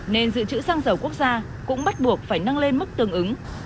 nên dự trữ xăng dầu quốc gia cũng bắt buộc phải nâng lên mức tương ứng